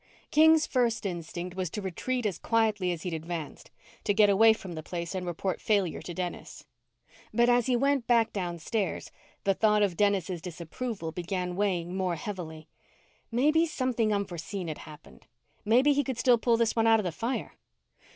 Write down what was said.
King's first instinct was to retreat as quietly as he'd advanced; to get away from the place and report failure to Dennis. But as he went back downstairs, the thought of Dennis' disapproval began weighing more heavily. Maybe something unforeseen had happened. Maybe he could still pull this one out of the fire.